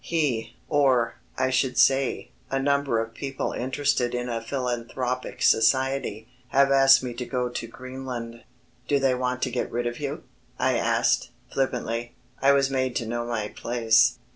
"He, or, I should say, a number of people interested in a philanthropic society, have asked me to go to Greenland." "Do they want to get rid of you?" I asked, flippantly. I was made to know my place.